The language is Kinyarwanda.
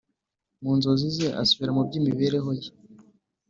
mu nzozi ze, asubira mu by'imibereho ye